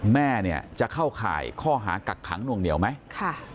แม่เนี่ยจะเข้าข่ายข้อหากักขังนวงเหนียวไหมค่ะ